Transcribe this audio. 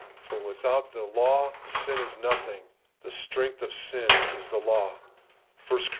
' For without law, sin is nothing. 'Tlie strength of sin is the law* (1 Cor.